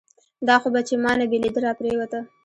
دا خو بهٔ چې مانه بېلېده راپرېوته